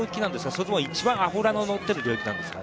それとも一番脂の乗ってる領域なんですか？